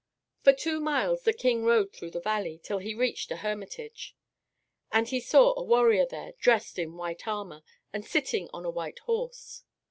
For two miles the king rode through the valley, till he reached a hermitage. And he saw a warrior there, dressed in white armor, and sitting on a white horse.